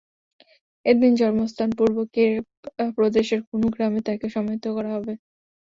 এদিন জন্মস্থান পূর্ব কেপ প্রদেশের কুনু গ্রামে তাঁকে সমাহিত করা হবে।